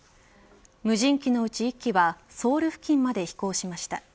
無人機のうち１機はソウル付近まで飛行しました。